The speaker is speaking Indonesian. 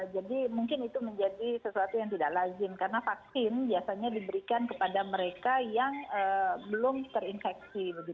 jadi mungkin itu menjadi sesuatu yang tidak lazim karena vaksin biasanya diberikan kepada mereka yang belum terinfeksi